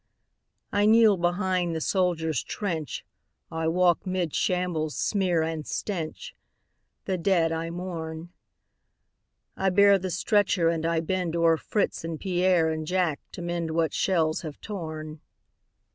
I kneel behind the soldier's trench, I walk 'mid shambles' smear and stench, The dead I mourn; I bear the stretcher and I bend O'er Fritz and Pierre and Jack to mend What shells have torn.